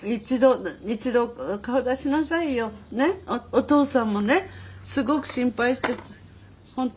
お父さんもねすごく心配して。